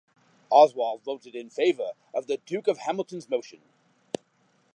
Oswald voted in favour of the Duke of Hamilton’s motion.